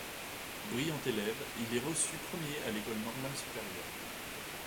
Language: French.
Brillant élève, il est reçu premier à l'école normale supérieure.